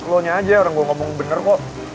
keluarnya aja orang gue ngomong bener kok